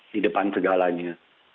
di depan segalanya